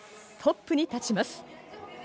トップに立ちます。